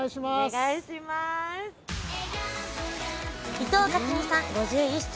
伊藤克己さん５１歳。